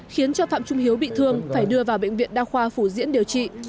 khiến cho phạm trung hiếu bị thương phải đưa vào bệnh viện đa khoa phủ diễn điều trị